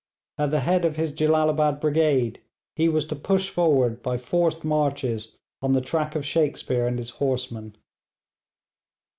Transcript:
At the head of his Jellalabad brigade, he was to push forward by forced marches on the track of Shakespear and his horsemen.